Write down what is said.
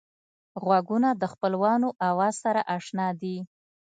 غوږونه د خپلوانو آواز سره اشنا دي